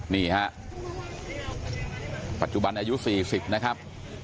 นี่ฮะปัจจุบันอายุ๔๐นะครับ